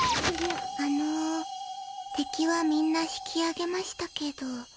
あのてきはみんな引きあげましたけど。